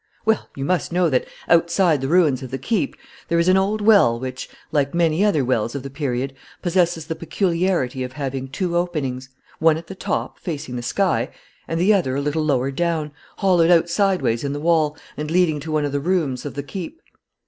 Well, you must know that, outside the ruins of the keep, there is an old well which, like many other wells of the period, possesses the peculiarity of having two openings, one at the top, facing the sky, and the other a little lower down, hollowed out sideways in the wall and leading to one of the rooms of the keep.